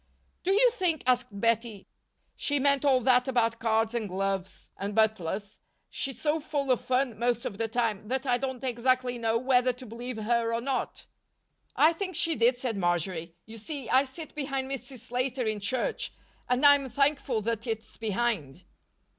"Do you think," asked Bettie, "she meant all that about cards and gloves and butlers? She's so full of fun most of the time that I don't exactly know whether to believe her or not." "I think she did," said Marjory. "You see, I sit behind Mrs. Slater in church and I'm thankful that it's behind."